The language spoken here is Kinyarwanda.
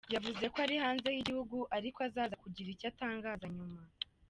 Yavuze ko ari hanze y’igihugu ariko ko aza kugira icyo atangaza nyuma.